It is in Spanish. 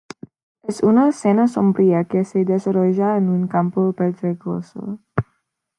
Es una escena sombría que se desarrolla en un campo pedregoso.